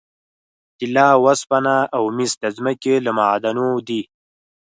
طلا، اوسپنه او مس د ځمکې له معادنو دي.